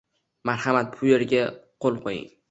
Marhamat, bu yerga qo'l qo'ying.